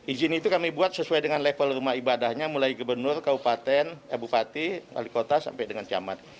izin itu kami buat sesuai dengan level rumah ibadahnya mulai gubernur kabupaten bupati wali kota sampai dengan camat